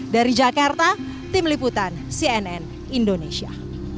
dari jakarta tim liputan cnn indonesia